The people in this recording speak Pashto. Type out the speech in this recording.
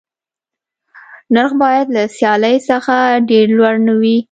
نرخ باید له سیالۍ څخه ډېر لوړ نه وي.